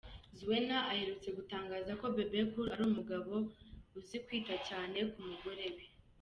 Zuena aherutse gutangaza ko Bebe Cool ari umugabo uzi kwita cyane ku mugore we.